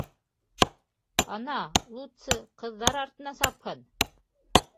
Ана, лутсы, ҡыҙҙар артынан сапһын!